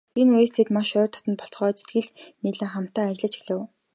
Энэ үеэс тэд маш ойр дотно болцгоож, сэтгэл нийлэн хамтдаа ажиллаж эхлэв.